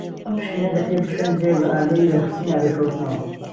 ئەم پشکنینە دەکرێ بچووێندرێ بە ئامێری دەرخستنی ئاگرکەوتنەوە